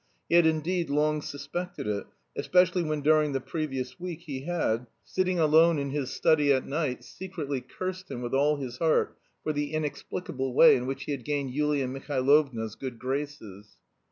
He had indeed long suspected it, especially when during the previous week he had, sitting alone in his study at night, secretly cursed him with all his heart for the inexplicable way in which he had gained Yulia Mihailovna's good graces.